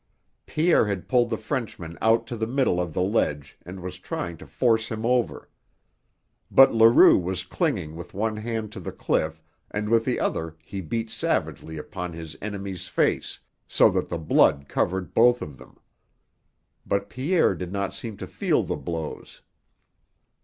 Pierre had pulled the Frenchman out to the middle of the ledge and was trying to force him over. But Leroux was clinging with one hand to the cliff and with the other he beat savagely upon his enemy's face, so that the blood covered both of them. But Pierre did not seem to feel the blows.